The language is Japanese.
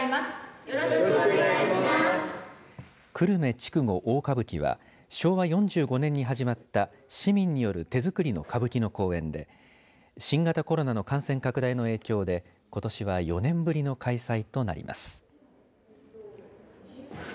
ちくご大歌舞伎は昭和４５年に始まった市民による手作りの歌舞伎の公演で新型コロナの感染拡大の影響でことしは４年ぶりの開催となります。